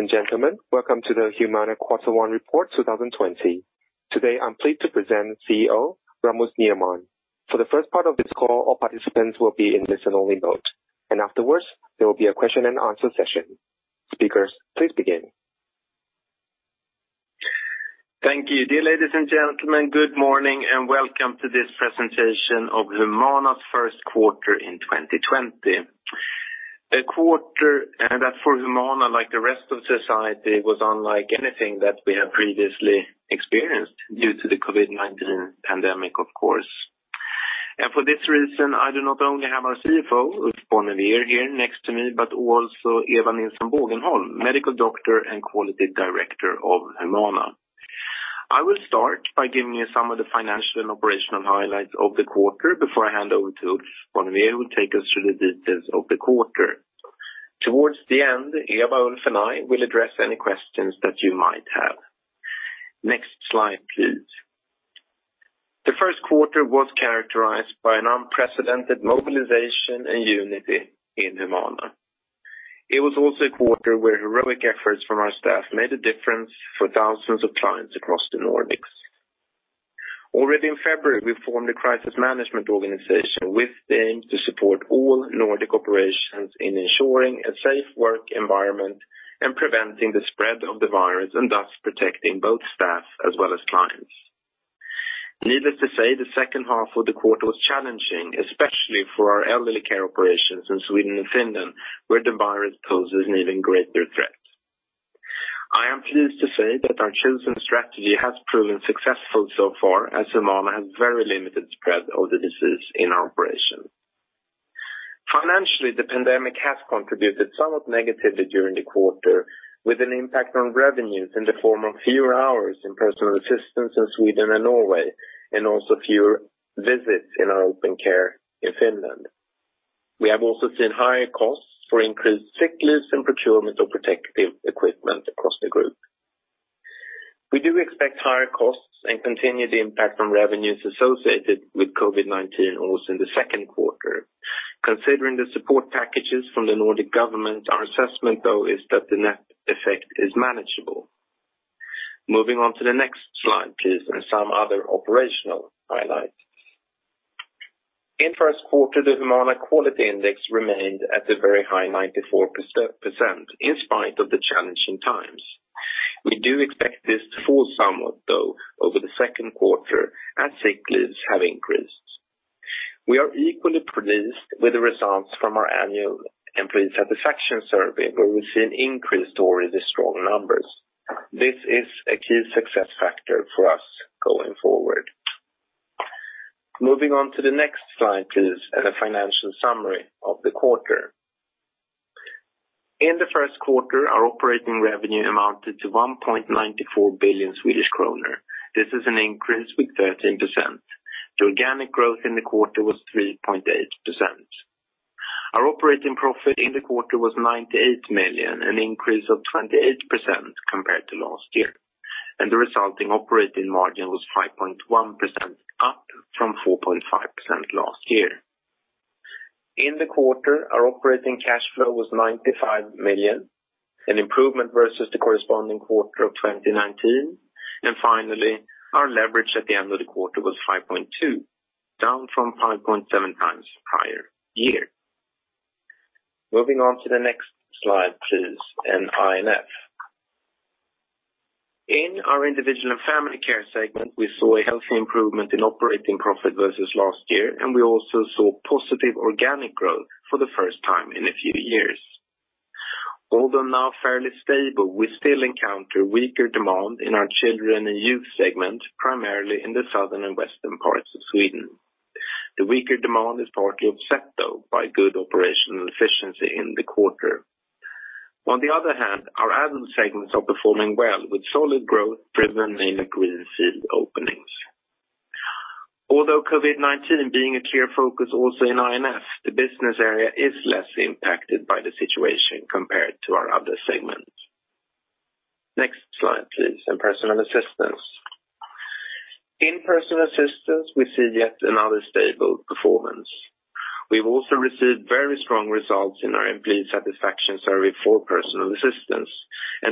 Ladies and gentlemen, welcome to the Humana Quarter One Report 2020. Today, I'm pleased to present CEO Rasmus Nerman. For the first part of this call, all participants will be in listen only mode. Afterwards, there will be a question and answer session. Speakers, please begin. Thank you. Dear ladies and gentlemen, good morning and welcome to this presentation of Humana's first quarter in 2020. A quarter that for Humana, like the rest of society, was unlike anything that we have previously experienced due to the COVID-19 pandemic, of course. For this reason, I do not only have our CFO, Ulf Bonnevier here next to me, but also Eva Nilsson Bågenholm, Medical Doctor and Quality Director of Humana. I will start by giving you some of the financial and operational highlights of the quarter before I hand over to Ulf Bonnevier, who will take us through the details of the quarter. Towards the end, Eva, Ulf, and I will address any questions that you might have. Next slide, please. The first quarter was characterized by an unprecedented mobilization and unity in Humana. It was also a quarter where heroic efforts from our staff made a difference for thousands of clients across the Nordics. Already in February, we formed a crisis management organization with the aim to support all Nordic operations in ensuring a safe work environment and preventing the spread of the virus, and thus protecting both staff as well as clients. Needless to say, the second half of the quarter was challenging, especially for our elderly care operations in Sweden and Finland, where the virus poses an even greater threat. I am pleased to say that our chosen strategy has proven successful so far as Humana has very limited spread of the disease in our operation. Financially, the pandemic has contributed somewhat negatively during the quarter, with an impact on revenues in the form of fewer hours in personal assistance in Sweden and Norway, and also fewer visits in our open care in Finland. We have also seen higher costs for increased sick leaves and procurement of protective equipment across the group. We do expect higher costs and continued impact on revenues associated with COVID-19 also in the second quarter. Considering the support packages from the Nordic government, our assessment, though, is that the net effect is manageable. Moving on to the next slide, please, and some other operational highlights. In first quarter, the Humana Quality Index remained at the very high 94% in spite of the challenging times. We do expect this to fall somewhat, though, over the second quarter as sick leaves have increased. We are equally pleased with the results from our annual employee satisfaction survey, where we see an increase to already strong numbers. This is a key success factor for us going forward. Moving on to the next slide, please, and a financial summary of the quarter. In the first quarter, our operating revenue amounted to 1.94 billion Swedish kronor. This is an increase with 13%. The organic growth in the quarter was 3.8%. Our operating profit in the quarter was 98 million, an increase of 28% compared to last year, and the resulting operating margin was 5.1%, up from 4.5% last year. In the quarter, our operating cash flow was 95 million, an improvement versus the corresponding quarter of 2019. Finally, our leverage at the end of the quarter was 5.2, down from 5.7 times prior year. Moving on to the next slide, please. I&F. In our Individual & Family care segment, we saw a healthy improvement in operating profit versus last year, and we also saw positive organic growth for the first time in a few years. Although now fairly stable, we still encounter weaker demand in our children and youth segment, primarily in the southern and western parts of Sweden. The weaker demand is partly offset, though, by good operational efficiency in the quarter. On the other hand, our adult segments are performing well with solid growth, driven mainly with field openings. Although COVID-19 being a clear focus also in I&F, the business area is less impacted by the situation compared to our other segments. Next slide, please. Personal assistance. In personal assistance, we see yet another stable performance. We've also received very strong results in our employee satisfaction survey for personal assistance.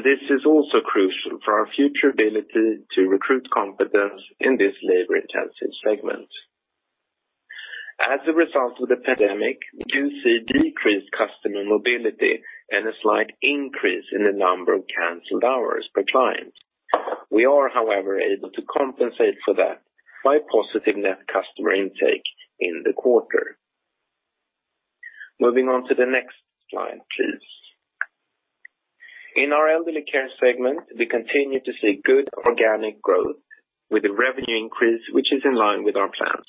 This is also crucial for our future ability to recruit competence in this labor-intensive segment. As a result of the pandemic, we do see decreased customer mobility and a slight increase in the number of canceled hours per client. We are, however, able to compensate for that by positive net customer intake in the quarter. Moving on to the next slide, please. In our elderly care segment, we continue to see good organic growth with a revenue increase, which is in line with our plans.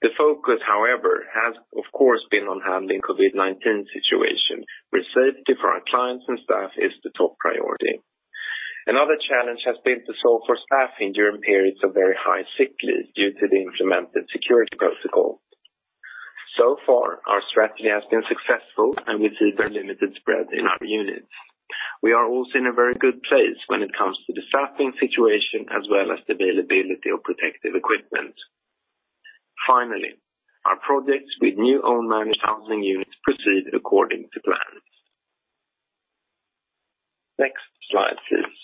The focus, however, has of course been on handling COVID-19 situation, where safety for our clients and staff is the top priority. Another challenge has been to solve for staffing during periods of very high sick leave due to the implemented security protocol. Far, our strategy has been successful, and we see very limited spread in our units. We are also in a very good place when it comes to the staffing situation as well as the availability of protective equipment. Finally, our projects with new own managed housing units proceed according to plans. Next slide, please.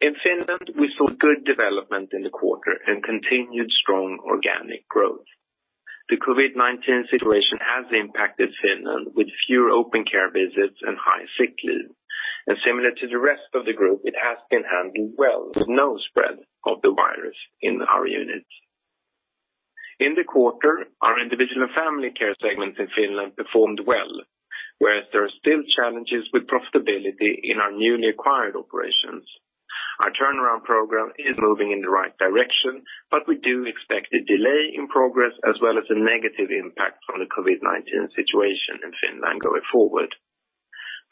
In Finland, we saw good development in the quarter and continued strong organic growth. The COVID-19 situation has impacted Finland, with fewer open care visits and high sick leave. Similar to the rest of the group, it has been handled well with no spread of the virus in our units. In the quarter, our Individual & Family care segment in Finland performed well, whereas there are still challenges with profitability in our newly acquired operations. Our turnaround program is moving in the right direction, we do expect a delay in progress as well as a negative impact from the COVID-19 situation in Finland going forward.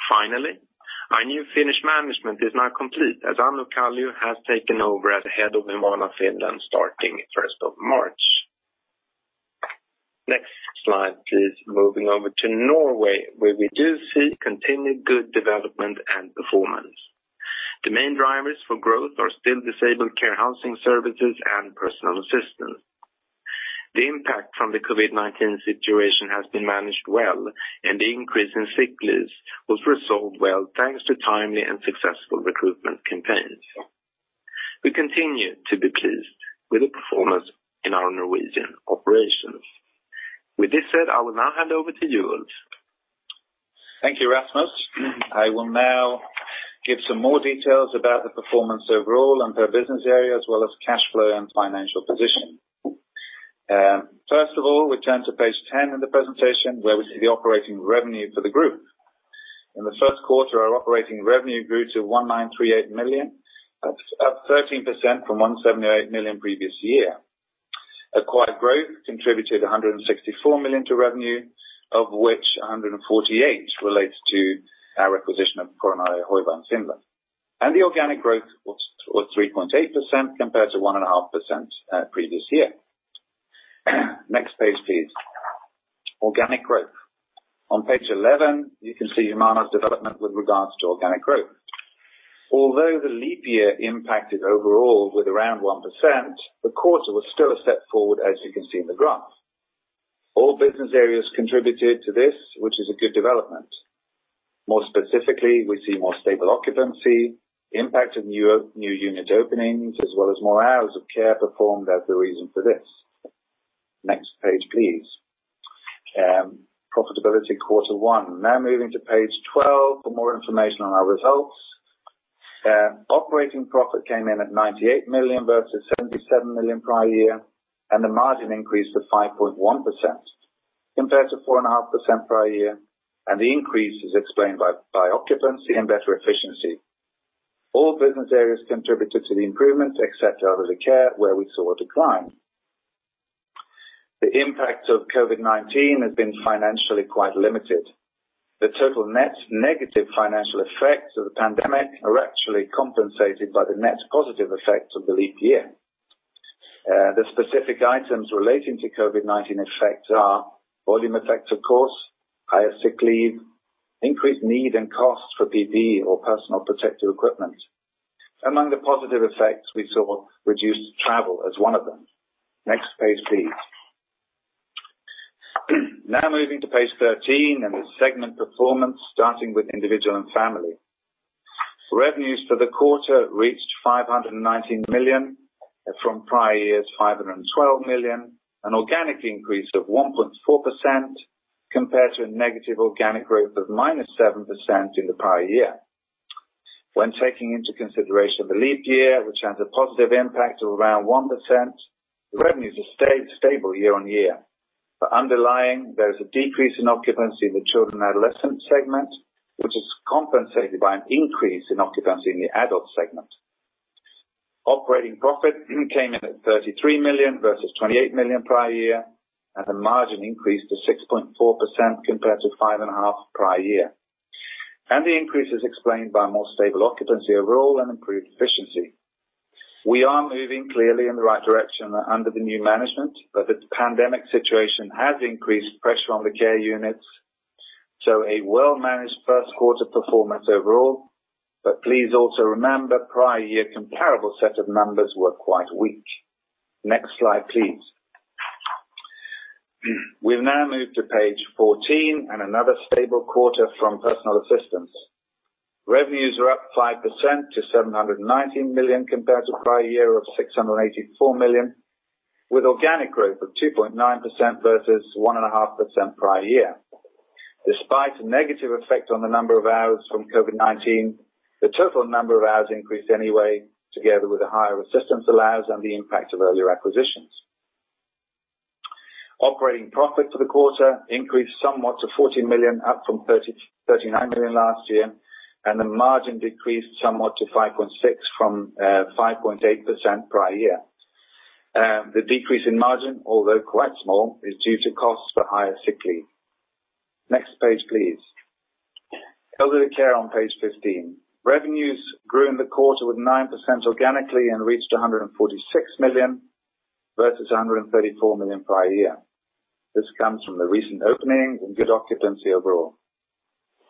Finally, our new Finnish management is now complete as Anu Kallio has taken over as the head of Humana Finland starting 1st of March. Next slide, please. Moving over to Norway, where we do see continued good development and performance. The main drivers for growth are still disabled care housing services and personal assistance. The impact from the COVID-19 situation has been managed well, the increase in sick leaves was resolved well thanks to timely and successful recruitment campaigns. We continue to be pleased with the performance in our Norwegian operations. With this said, I will now hand over to you, Ulf. Thank you, Rasmus. I will now give some more details about the performance overall and per-business area, as well as cash flow and financial position. First of all, we turn to page 10 of the presentation, where we see the operating revenue for the group. In the first quarter, our operating revenue grew to 1,938 million. That's up 13% from 178 million previous year. Acquired growth contributed 164 million to revenue, of which 148 relates to our acquisition of Coronaria Hoiva in Finland. The organic growth was 3.8% compared to 1.5% previous year. Next page, please. Organic growth. On page 11, you can see Humana's development with regards to organic growth. Although the leap year impacted overall with around 1%, the quarter was still a step forward as you can see in the graph. All business areas contributed to this, which is a good development. More specifically, we see more stable occupancy, impact of new unit openings, as well as more hours of care performed as the reason for this. Next page, please. Profitability quarter one. Now moving to page 12 for more information on our results. Operating profit came in at 98 million versus 77 million prior year, the margin increased to 5.1% compared to 4.5% prior year, the increase is explained by occupancy and better efficiency. All business areas contributed to the improvement, except elderly care, where we saw a decline. The impact of COVID-19 has been financially quite limited. The total net negative financial effects of the pandemic are actually compensated by the net positive effects of the leap year. The specific items relating to COVID-19 effects are volume effects, of course, higher sick leave, increased need and costs for PPE or personal protective equipment. Among the positive effects, we saw reduced travel as one of them. Next page, please. Now moving to page 13 and the segment performance, starting with Individual and Family. Revenues for the quarter reached 519 million from prior year's 512 million, an organic increase of 1.4% compared to a negative organic growth of minus 7% in the prior year. When taking into consideration the leap year, which has a positive impact of around 1%, the revenues have stayed stable year on year. Underlying, there is a decrease in occupancy in the children adolescent segment, which is compensated by an increase in occupancy in the adult segment. Operating profit came in at 33 million versus 28 million prior year, the margin increased to 6.4% compared to 5.5% prior year. The increase is explained by more stable occupancy overall and improved efficiency. We are moving clearly in the right direction under the new management, the pandemic situation has increased pressure on the care units, a well-managed first quarter performance overall. Please also remember, prior year comparable set of numbers were quite weak. Next slide, please. We now move to page 14 and another stable quarter from personal assistance. Revenues are up 5% to 790 million compared to prior year of 684 million, with organic growth of 2.9% versus 1.5% prior year. Despite a negative effect on the number of hours from COVID-19, the total number of hours increased anyway, together with the higher assistance allowance and the impact of earlier acquisitions. Operating profit for the quarter increased somewhat to 40 million, up from 39 million last year, and the margin decreased somewhat to 5.6% from 5.8% prior year. The decrease in margin, although quite small, is due to costs for higher sick leave. Next page, please. Elderly care on page 15. Revenues grew in the quarter with 9% organically and reached 146 million versus 134 million prior year. This comes from the recent openings and good occupancy overall.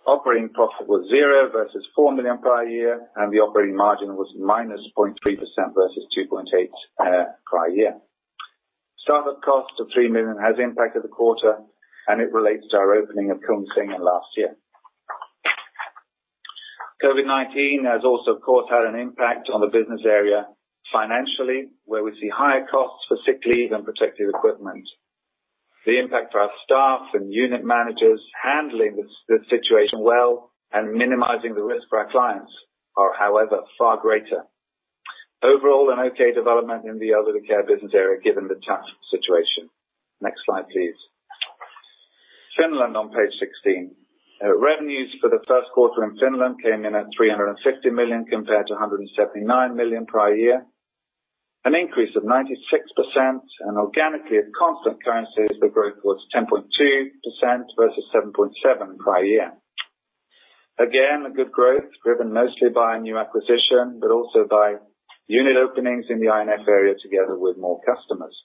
Operating profit was 0 versus 4 million prior year, and the operating margin was -0.3% versus 2.8% prior year. Startup cost of 3 million has impacted the quarter, and it relates to our opening of Kungsängen last year. COVID-19 has also, of course, had an impact on the business area financially, where we see higher costs for sick leave and protective equipment. The impact for our staff and unit managers handling the situation well and minimizing the risk for our clients are, however, far greater. Overall, an okay development in the elderly care business area, given the tough situation. Next slide, please. Finland on page 16. Revenues for the first quarter in Finland came in at 350 million compared to 179 million prior year, an increase of 96%, and organically at constant currencies the growth was 10.2% versus 7.7% prior year. Again, a good growth driven mostly by a new acquisition, also by unit openings in the I&F area together with more customers.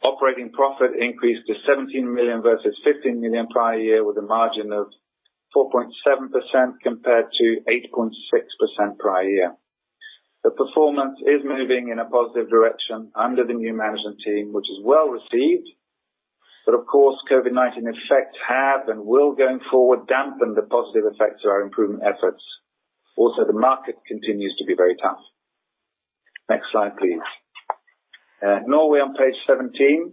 Operating profit increased to 17 million versus 15 million prior year, with a margin of 4.7% compared to 8.6% prior year. The performance is moving in a positive direction under the new management team, which is well received. Of course, COVID-19 effects have and will going forward dampen the positive effects of our improvement efforts. Also, the market continues to be very tough. Next slide, please. Norway on page 17.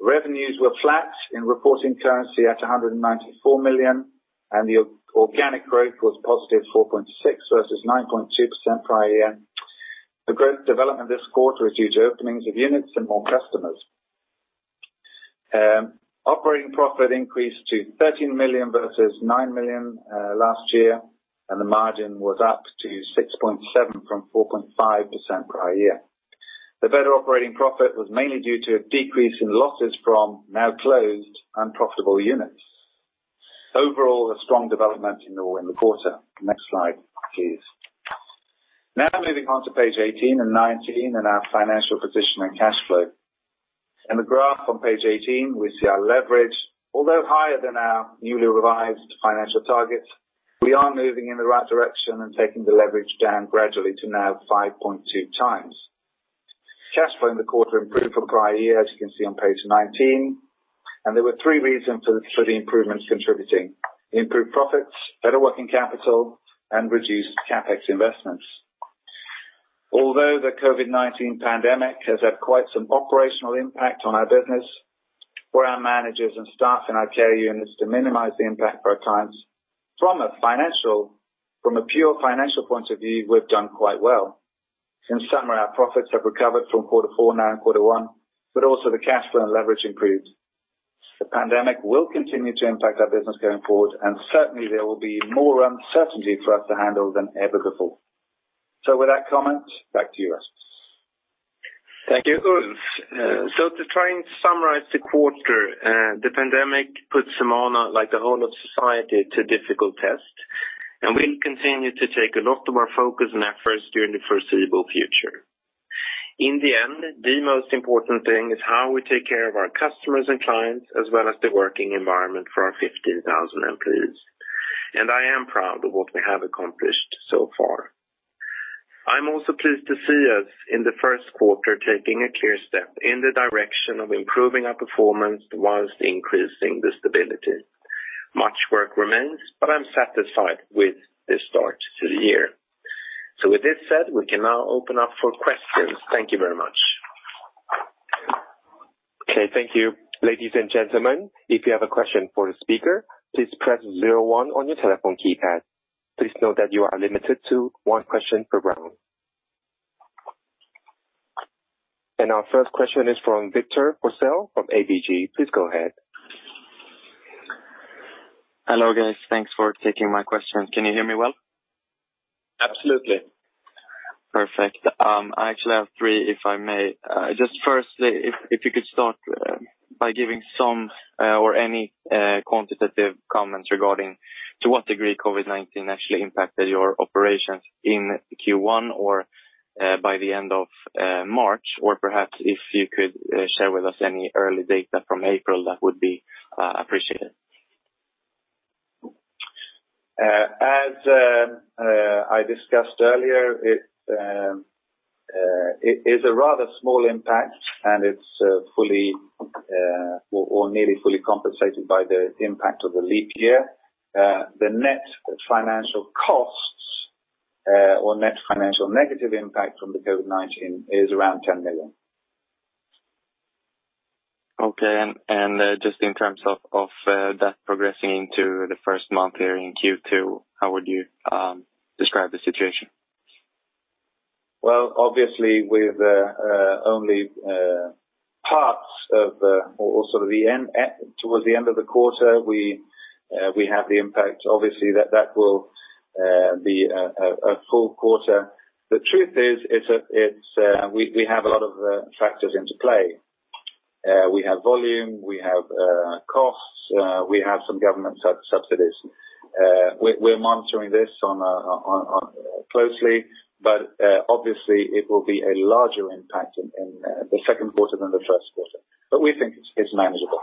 Revenues were flat in reporting currency at 194 million, and the organic growth was positive 4.6% versus 9.2% prior year. The growth development this quarter is due to openings of units and more customers. Operating profit increased to 13 million versus 9 million last year, and the margin was up to 6.7% from 4.5% prior year. The better operating profit was mainly due to a decrease in losses from now closed unprofitable units. Overall, a strong development in Norway in the quarter. Next slide, please. Now moving on to page 18 and 19 and our financial position and cash flow. In the graph on page 18, we see our leverage. Although higher than our newly revised financial targets, we are moving in the right direction and taking the leverage down gradually to now 5.2 times. Cash flow in the quarter improved from prior year, as you can see on page 19, and there were three reasons for the improvements contributing: improved profits, better working capital, and reduced CapEx investments. Although the COVID-19 pandemic has had quite some operational impact on our business for our managers and staff in our care units to minimize the impact for our clients, from a pure financial point of view, we've done quite well. In summary, our profits have recovered from quarter four now in quarter one, but also the cash flow and leverage improved. The pandemic will continue to impact our business going forward, and certainly there will be more uncertainty for us to handle than ever before. With that comment, back to you, Rasmus. Thank you, Ulf. To try and summarize the quarter, the pandemic put Humana, like the whole of society, to a difficult test, and will continue to take a lot of our focus and efforts during the foreseeable future. In the end, the most important thing is how we take care of our customers and clients, as well as the working environment for our 15,000 employees. I am proud of what we have accomplished so far. I'm also pleased to see us in the first quarter, taking a clear step in the direction of improving our performance whilst increasing the stability. Much work remains, I'm satisfied with this start to the year. With this said, we can now open up for questions. Thank you very much. Okay. Thank you. Ladies and gentlemen, if you have a question for the speaker, please press 01 on your telephone keypad. Please note that you are limited to one question per round. Our first question is from Victor Forssell of ABG. Please go ahead. Hello, guys. Thanks for taking my question. Can you hear me well? Absolutely. Perfect. I actually have three, if I may. Firstly, if you could start by giving some or any quantitative comments regarding to what degree COVID-19 actually impacted your operations in Q1 or by the end of March? Perhaps if you could share with us any early data from April, that would be appreciated. As I discussed earlier, it is a rather small impact, and it's fully or nearly fully compensated by the impact of the leap year. The net financial costs or net financial negative impact from the COVID-19 is around 10 million. Okay. Just in terms of that progressing into the first month here in Q2, how would you describe the situation? Well, obviously, with only parts of or sort of towards the end of the quarter, we have the impact. Obviously, that will be a full quarter. The truth is we have a lot of factors into play. We have volume, we have costs, we have some government subsidies. Obviously it will be a larger impact in the second quarter than the first quarter, we think it's manageable.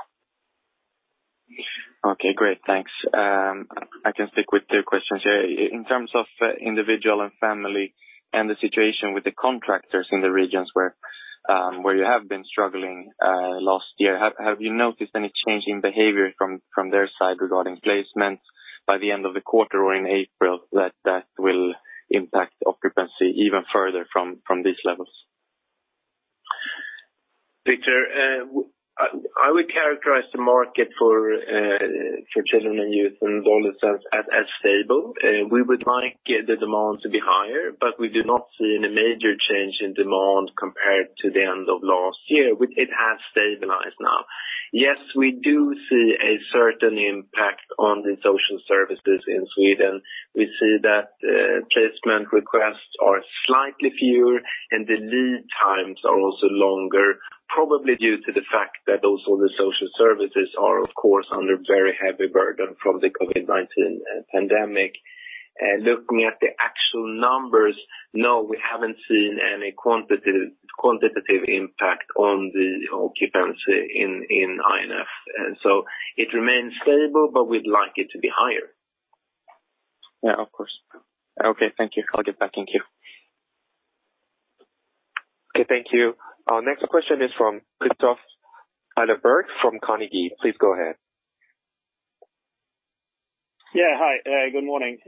Okay, great. Thanks. I can stick with two questions. In terms of Individual and Family and the situation with the contractors in the regions where you have been struggling last year, have you noticed any change in behavior from their side regarding placements by the end of the quarter or in April that will impact occupancy even further from these levels? Victor, I would characterize the market for children and youth and all itself as stable. We would like the demand to be higher, we do not see any major change in demand compared to the end of last year. It has stabilized now. Yes, we do see a certain impact on the social services in Sweden. We see that placement requests are slightly fewer, and the lead times are also longer, probably due to the fact that also the social services are, of course, under very heavy burden from the COVID-19 pandemic. Looking at the actual numbers, we haven't seen any quantitative impact on the occupancy in I&F. It remains stable, but we'd like it to be higher. Yeah, of course. Okay, thank you. I'll get back in queue. Okay, thank you. Our next question is from Kristofer Liljeberg from Carnegie. Please go ahead. Yeah, hi. Good morning.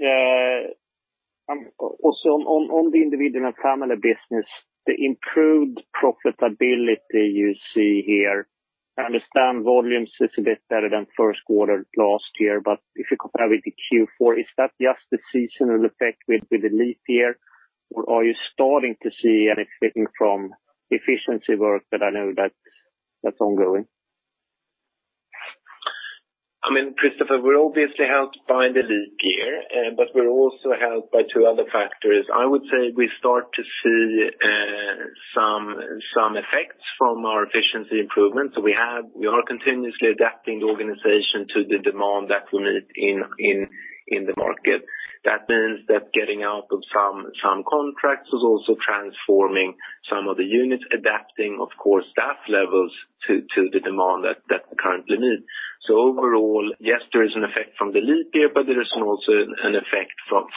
Also on the Individual & Family business, the improved profitability you see here, I understand volumes is a bit better than first quarter last year, if you compare it with the Q4, is that just the seasonal effect with the leap year, or are you starting to see anything from efficiency work that I know that's ongoing? Kristofer, we're obviously helped by the leap year, we're also helped by two other factors. I would say we start to see some effects from our efficiency improvements. We are continuously adapting the organization to the demand that we meet in the market. That means that getting out of some contracts is also transforming some of the units, adapting, of course, staff levels to the demand that we currently need. Overall, yes, there is an effect from the leap year, there is also an effect from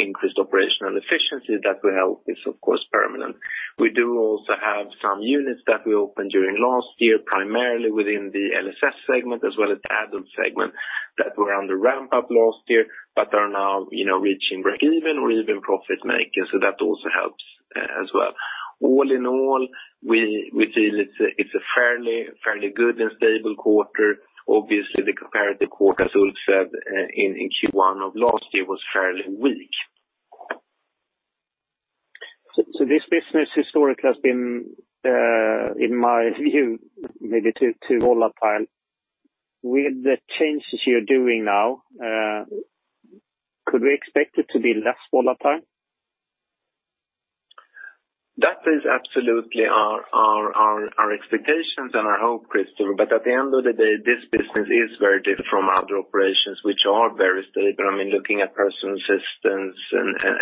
increased operational efficiency that will help. It's of course permanent. We do also have some units that we opened during last year, primarily within the LSS segment as well as adult segment that were under ramp-up last year, but are now reaching breakeven or even profit making. That also helps as well. All in all, we feel it's a fairly good and stable quarter. Obviously, compared to quarter, as Ulf said, in Q1 of last year was fairly weak. This business historically has been, in my view, maybe too volatile. With the changes you're doing now, could we expect it to be less volatile? That is absolutely our expectations and our hope, Kristofer. At the end of the day, this business is very different from other operations, which are very stable. I mean, looking at personal assistance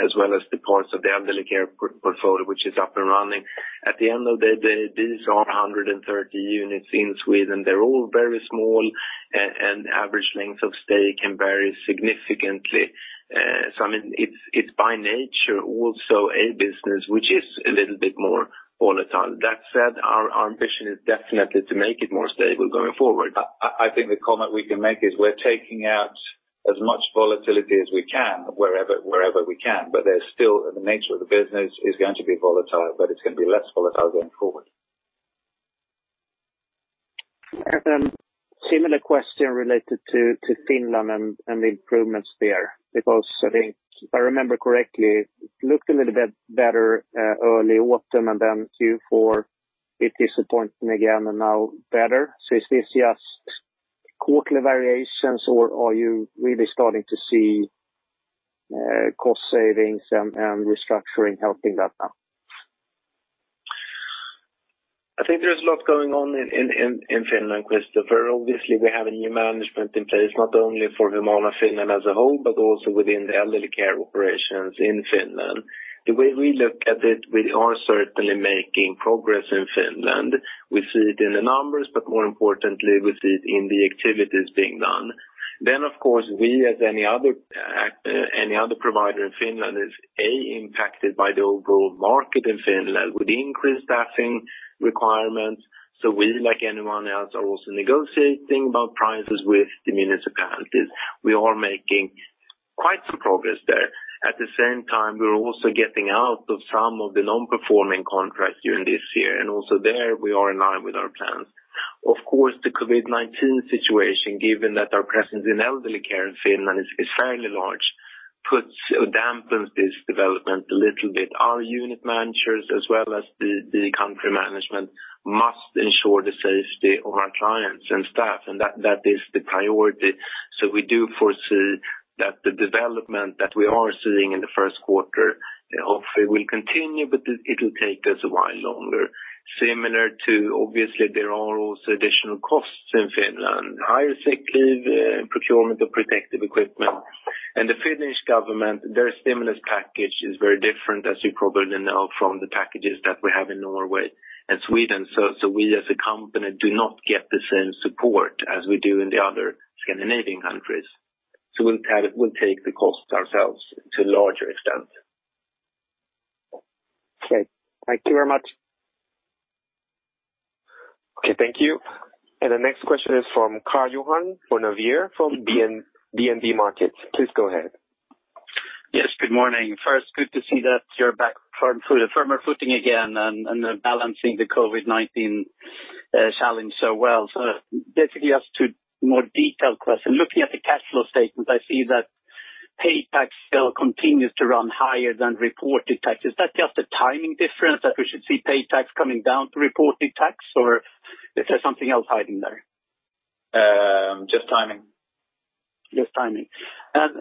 as well as the parts of the elderly care portfolio, which is up and running. At the end of the day, these are 130 units in Sweden. They're all very small, and average length of stay can vary significantly. I mean, it's by nature also a business which is a little bit more volatile. That said, our ambition is definitely to make it more stable going forward. I think the comment we can make is we're taking out as much volatility as we can, wherever we can. There's still the nature of the business is going to be volatile, but it's going to be less volatile going forward. Similar question related to Finland and the improvements there, because if I remember correctly, it looked a little bit better early autumn and then Q4, it disappointed again and now better. Is this just quarterly variations or are you really starting to see cost savings and restructuring helping that now? I think there's a lot going on in Finland, Kristofer. Obviously, we have a new management in place, not only for Humana Finland as a whole, but also within the elderly care operations in Finland. The way we look at it, we are certainly making progress in Finland. We see it in the numbers, but more importantly, we see it in the activities being done. Of course, we, as any other provider in Finland, is impacted by the overall market in Finland with increased staffing requirements. We, like anyone else, are also negotiating about prices with the municipalities. We are making quite some progress there. At the same time, we are also getting out of some of the non-performing contracts during this year, and also there we are in line with our plans. Of course, the COVID-19 situation, given that our presence in elderly care in Finland is fairly large, dampens this development a little bit. Our unit managers as well as the country management must ensure the safety of our clients and staff, and that is the priority. We do foresee that the development that we are seeing in the first quarter hopefully will continue, but it will take us a while longer. Obviously, there are also additional costs in Finland, higher sick leave, procurement of protective equipment. The Finnish government, their stimulus package is very different, as you probably know, from the packages that we have in Norway and Sweden. We as a company do not get the same support as we do in the other Scandinavian countries. We'll take the costs ourselves to a larger extent. Okay. Thank you very much. Okay. Thank you. The next question is from Karl-Johan Bonnevier from DNB Markets. Please go ahead. Yes, good morning. First, good to see that you're back firmer footing again and balancing the COVID-19 challenge so well. Basically, I have two more detailed questions. Looking at the cash flow statements, I see that paid tax still continues to run higher than reported tax. Is that just a timing difference that we should see paid tax coming down to reported tax, or is there something else hiding there? Just timing. Just timing.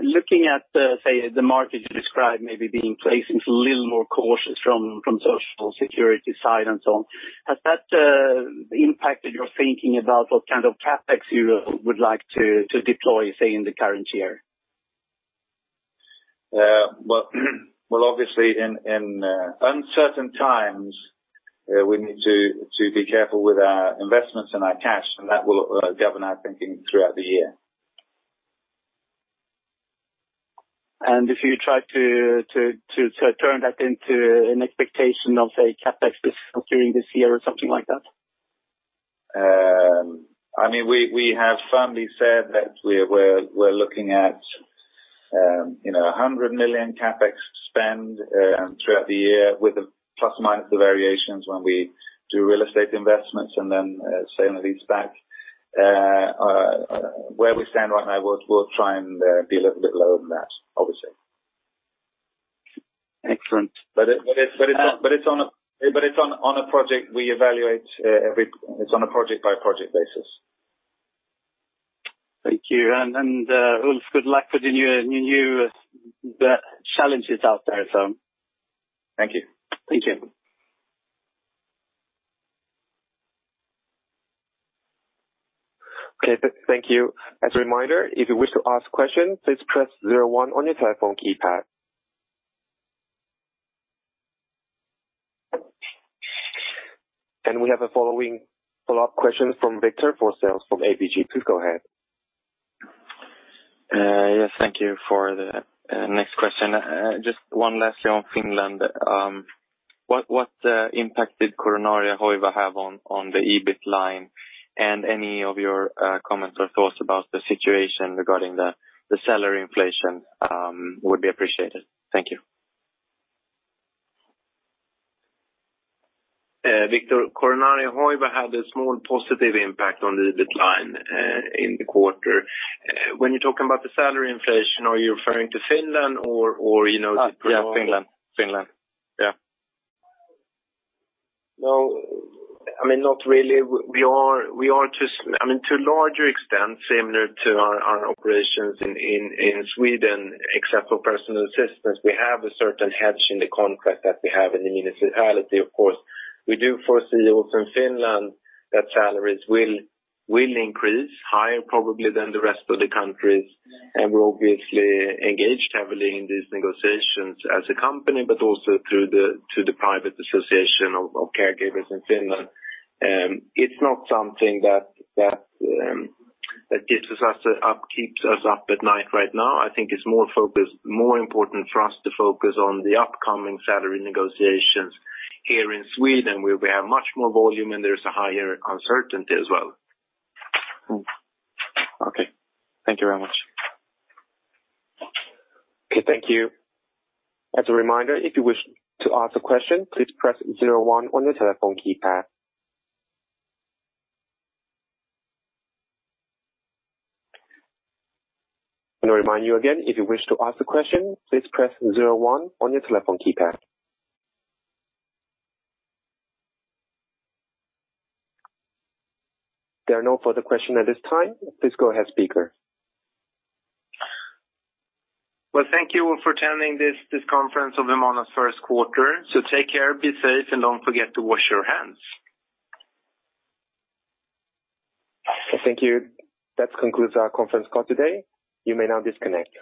Looking at, say, the market you described maybe being placed into a little more cautious from social security side and so on, has that impacted your thinking about what kind of CapEx you would like to deploy, say, in the current year? Well, obviously, in uncertain times, we need to be careful with our investments and our cash, and that will govern our thinking throughout the year. If you try to turn that into an expectation of, say, CapEx during this year or something like that? We have firmly said that we're looking at 100 million CapEx spend throughout the year with the plus or minus the variations when we do real estate investments and then selling these back. Where we stand right now, we'll try and be a little bit lower than that, obviously. Excellent. It's on a project-by-project basis. Thank you. Ulf, good luck with your new challenges out there. Thank you. Thank you. Okay, thank you. As a reminder, if you wish to ask questions, please press 01 on your telephone keypad. We have a following follow-up question from Victor Forssell from ABG. Please go ahead. Yes, thank you for the next question. Just one last year on Finland. What impact did Coronaria Hoiva have on the EBIT line? Any of your comments or thoughts about the situation regarding the salary inflation would be appreciated. Thank you. Victor Forssell, Coronaria Hoiva had a small positive impact on the decline in the quarter. When you're talking about the salary inflation, are you referring to Finland or the- Yeah, Finland. Finland. Yeah. No, not really. To a larger extent, similar to our operations in Sweden, except for personal assistance, we have a certain hedge in the contract that we have in the municipality, of course. We do foresee also in Finland that salaries will increase higher probably than the rest of the countries, and we're obviously engaged heavily in these negotiations as a company, but also through the private association of caregivers in Finland. It's not something that gets us up, keeps us up at night right now. I think it's more important for us to focus on the upcoming salary negotiations here in Sweden, where we have much more volume, and there's a higher uncertainty as well. Okay. Thank you very much. Okay, thank you. As a reminder, if you wish to ask a question, please press 01 on your telephone keypad. I remind you again, if you wish to ask a question, please press 01 on your telephone keypad. There are no further questions at this time. Please go ahead, speaker. Thank you all for attending this conference of the Humana first quarter. Take care, be safe, and don't forget to wash your hands. Thank you. That concludes our conference call today. You may now disconnect.